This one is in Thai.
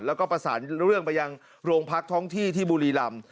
แล้วก็ประสานเรื่องไปยังโรงพักท้องที่ที่บุรีรำ